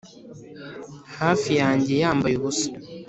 hafi yanjye yambaye ubusa,